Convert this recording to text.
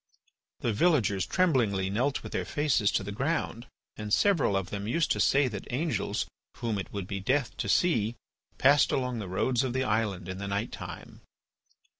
'" The villagers tremblingly knelt with their faces to the round. And several of them used to say that angels, whom it would be death to see, passed along the roads of the island in the night time.